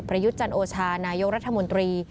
ประยุทธจันทร์โอชานายกรรธมนตรี